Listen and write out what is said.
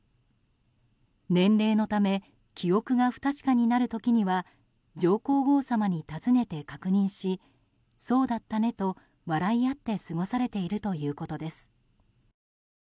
年齢のため記憶が不確かになる時には上皇后さまに尋ねて確認しそうだったねと笑い合って過ごされているということです。